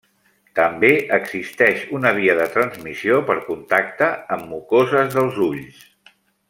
També existeix una via de transmissió per contacte amb mucoses dels ulls.